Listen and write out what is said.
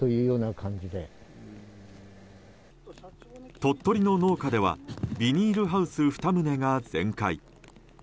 鳥取の農家ではビニールハウス２棟が全壊。